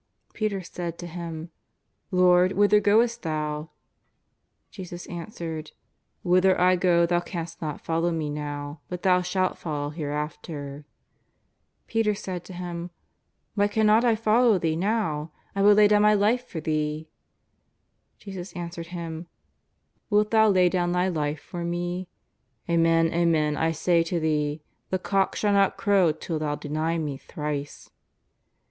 Peter said to Him :" Lord, whither goest Thou ?" Jesus answered :" Whither I go thou canst not follow Me now, but thou shalt follow hereafter." Peter said to Him :^^ Why cannot I follow Thee now ? I will lay dowTi my life for Thee." Jesus answered him :'' Wilt thou lay down thy life for Me ? Amen, amen, I say to thee, the cock shall not crow till thou deny Me thrice."